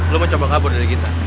lo mau coba kabar dari kita